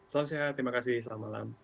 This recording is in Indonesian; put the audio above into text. salam sehat terima kasih selamat malam